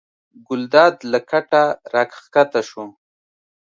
ګلداد له کټه راکښته شو.